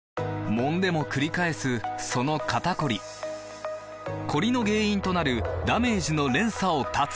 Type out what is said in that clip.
もんでもくり返すその肩こりコリの原因となるダメージの連鎖を断つ！